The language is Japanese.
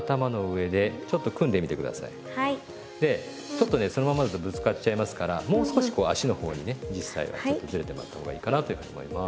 でちょっとねそのままだとぶつかっちゃいますからもう少しこう足の方にね実際はずれてもらった方がいいかなと思います。